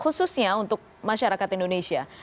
khususnya untuk masyarakat indonesia